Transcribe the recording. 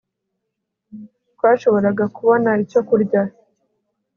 Twashoboraga kubona icyo kurya